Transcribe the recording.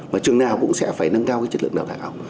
mà trường nào cũng sẽ phải nâng cao cái chất lượng đào tạo học